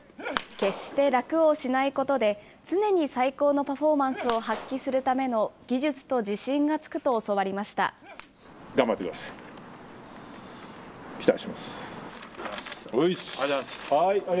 決して楽をしないことで、常に最高のパフォーマンスを発揮するための技術と自信がつくと教わりました。